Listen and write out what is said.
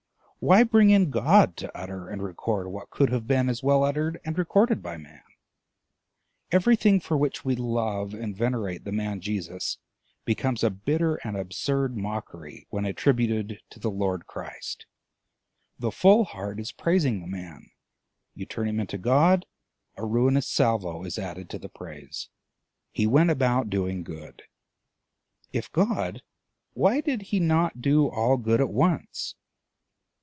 Why bring in God to utter and record what could have been as well uttered and recorded by man? Everything for which we love and venerate the man Jesus becomes a bitter and absurd mockery when attributed to the Lord Christ. The full heart is praising the man; you turn him into God, a ruinous salvo is added to the praise. He went about doing good: if God, why did he not do all good at once?